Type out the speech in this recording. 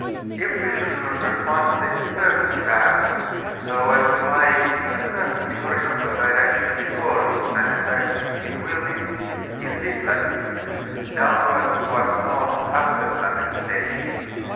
If we should construct one that is perfectly balanced, so as to lie in a perfectly horizontal direction before it is magnetized, it will dip in this latitude downward toward the north after magnetization.